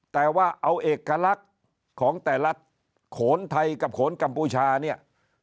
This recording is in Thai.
แต่ว่าเอาเอกลักษณ์ของแต่ละโขนไทยกับโขนกัมพูชาเนี่ย